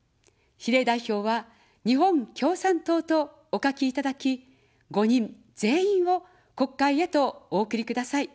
比例代表は日本共産党とお書きいただき、５人全員を国会へとお送りください。